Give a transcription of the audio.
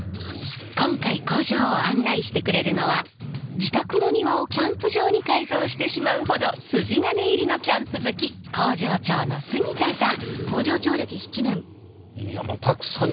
今回工場を案内してくれるのは自宅の庭をキャンプ場に改造してしまうほど筋金入りのキャンプ好き工場長の杉田さん。